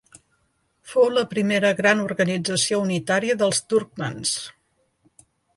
Fou la primera gran organització unitària dels turcmans.